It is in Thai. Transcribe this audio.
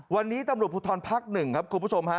วันนี้ตำรวจภูทรภักดิ์๑ครับคุณผู้ชมฮะ